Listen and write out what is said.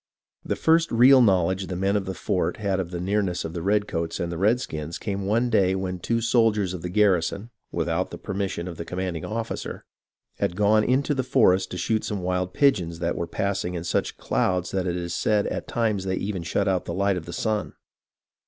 The first real knowledge the men in the fort had of the nearness of the redcoats and redskins came one day when two soldiers of the garrison, without the permission of the commanding officer, had gone into the forest to shoot some of the wild pigeons that were passing in such clouds that it is said at times they even shut out the light of the sun.